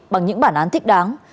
bằng những bản án thích đáng